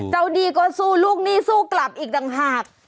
ดีก็สู้ลูกหนี้สู้กลับอีกต่างหาก